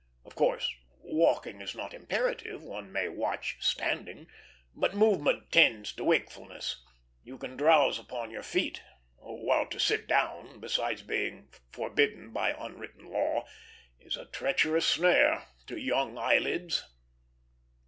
Of course, walking is not imperative, one may watch standing; but movement tends to wakefulness you can drowse upon your feet while to sit down, besides being forbidden by unwritten law, is a treacherous snare to young eyelids.